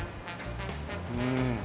うん。